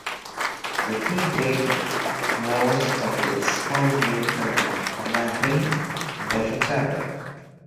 The team played most of its home games at the Anaheim Convention Center.